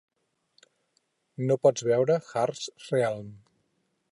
No pots veure 'Harsh Realm'.